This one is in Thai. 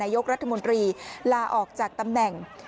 ยกรัฐมนตรีลาออกจากตำแหน่ง